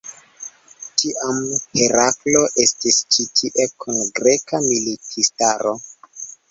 Tiam Heraklo estis ĉi tie kun greka militistaro.